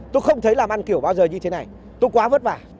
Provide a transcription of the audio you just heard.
tôi không thấy làm ăn kiểu bao giờ như thế này tôi quá vất vả